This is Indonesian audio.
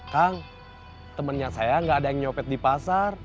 kang temannya saya gak ada yang nyopet di pasar